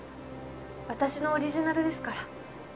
私のオリジナルですから。